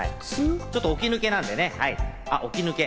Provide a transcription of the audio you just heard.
ちょっと起き抜けなんでね、起き抜け。